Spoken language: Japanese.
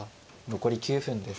残り９分です。